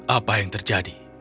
apa yang terjadi